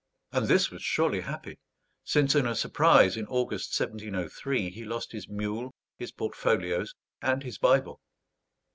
And this was surely happy; since in a surprise in August 1703, he lost his mule, his portfolios, and his Bible.